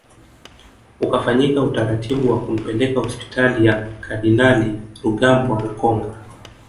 Ukafanyika utaratibu wa kumpeleka hospitali ya kardinali Rugambwa ukonga